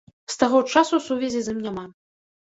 З таго часу сувязі з ім няма.